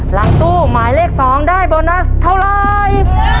หลังตู้หมายเลข๒ได้โบนัสเท่าไร